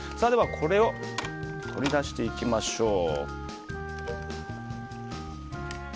これを取り出していきましょう。